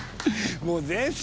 もう全然。